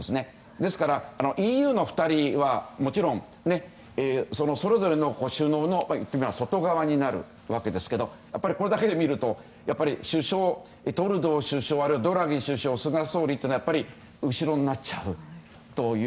ですから、ＥＵの２人はもちろんそれぞれの首脳の外側になるわけですがこれだけでみると首相トルドー首相、ドラギ首相菅総理というのは後ろになっちゃうという。